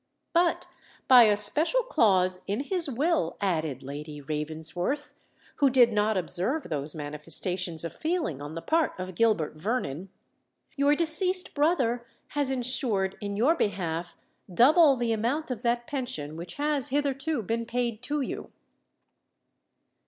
"But, by a special clause in his will," added Lady Ravensworth, who did not observe those manifestations of feeling on the part of Gilbert Vernon, "your deceased brother has ensured in your behalf double the amount of that pension which has hitherto been paid to you."